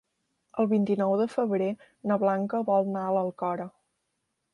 El vint-i-nou de febrer na Blanca vol anar a l'Alcora.